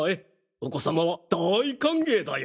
お子様は大歓迎だよ。